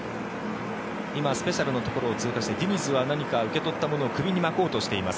今スペシャルのところを通過してディニズは何か受け取ったものを首に巻こうとしています。